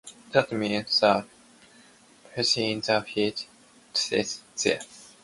That means that the "president" is the head of state there.